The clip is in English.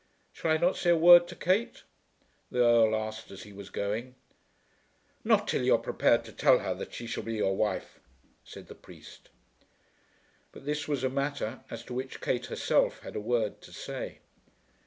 "Shall I not say a word to Kate?" the Earl asked as he was going. "Not till you are prepared to tell her that she shall be your wife," said the priest. But this was a matter as to which Kate herself had a word to say.